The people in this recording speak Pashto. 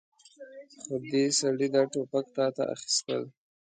خو دې سړي دا ټوپک تاته اخيستل.